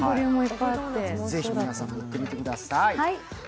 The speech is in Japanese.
ぜひ皆さんも行ってみてください。